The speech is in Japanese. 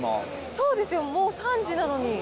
そうですよ、もう３時なのに。